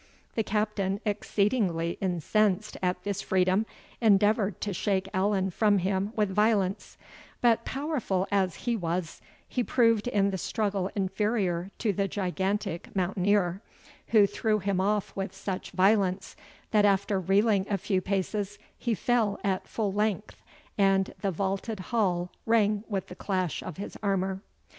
The Captain, exceedingly incensed at this freedom, endeavoured to shake Allan from him with violence; but, powerful as he was, he proved in the struggle inferior to the gigantic mountaineer, who threw him off with such violence, that after reeling a few paces, he fell at full length, and the vaulted hall rang with the clash of his armour.